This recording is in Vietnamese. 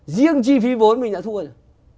riêng chi phí vốn mình đã thua rồi